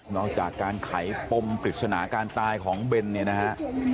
อกจากการไขปมปริศนาการตายของเบนเนี่ยนะฮะ